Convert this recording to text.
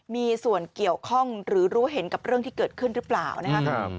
มีส่วนเกี่ยวข้องหรือรู้เห็นกับเรื่องที่เกิดขึ้นหรือเปล่านะครับ